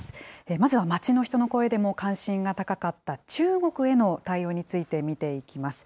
まずは街の人の声でも関心が高かった中国への対応について見ていきます。